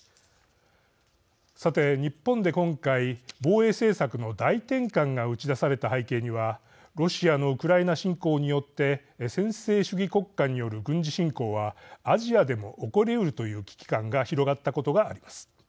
さて、日本で今回防衛政策の大転換が打ち出された背景にはロシアのウクライナ侵攻によって専制主義国家による軍事侵攻はアジアでも起こりうるという危機感が広がったことがあります。